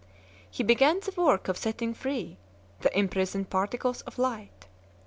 He began the work of setting free the imprisoned particles of light.